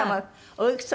おいくつ？